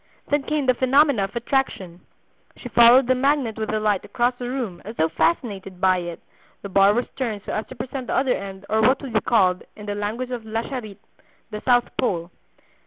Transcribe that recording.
Then came the phenomena of attraction. She followed the magnet with delight across the room, as though fascinated by it; the bar was turned so as to present the other end or what would be called, in the language of La Charite, the south pole.